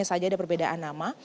ada perbedaan nama